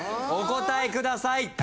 お答えください。